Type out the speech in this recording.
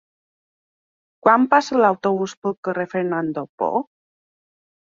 Quan passa l'autobús pel carrer Fernando Poo?